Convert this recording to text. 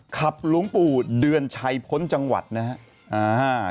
หลวงปู่เดือนชัยพ้นจังหวัดนะครับ